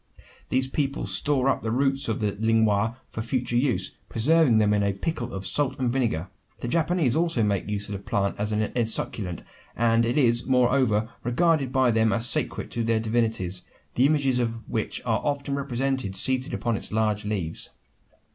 These people store up the roots of the lienwha for winter use preserving them in a pickle of salt and vinegar. The Japanese also make use of the plant as an esculent; and it is, moreover, regarded by them as sacred to their divinities the images of which are often represented seated upon its large leaves.